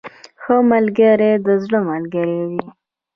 • ښه ملګری د زړه ملګری وي.